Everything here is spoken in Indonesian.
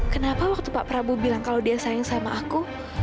kenapa waktu pak prabowo bilang kalau dia sayang sama aku